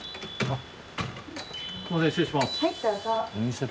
あっ！